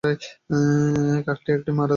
কাকটি একটি মড়া দেখতে পেয়ে তা খেতে আরম্ভ করে।